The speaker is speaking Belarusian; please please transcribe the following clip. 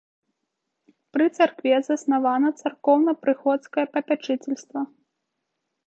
Пры царкве заснавана царкоўна-прыходскае папячыцельства.